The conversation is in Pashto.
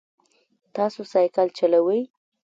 تاسو سایکل چلوئ؟